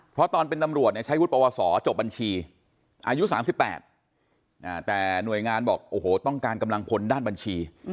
เพราะตอนเป็นตำรวจใช้วุฒปวสอจบบัญชีอายุ๓๘แต่หน่วยงานบอกโอ้โหต้องการกำลังพลด้านบัญชี